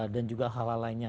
dan juga hal hal lainnya